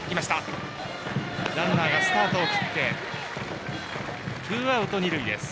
ランナーがスタートを切ってツーアウト、二塁です。